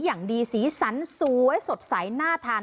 อย่างดีสีสันสวยสดใสน่าทาน